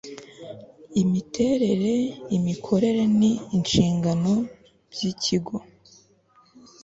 imiterere imikorere n inshingano by Ikigo